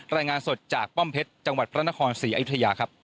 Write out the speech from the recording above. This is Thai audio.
รายงานสดจากป้อมเพชรจังหวัดพระนครศรีอยุธยาครับ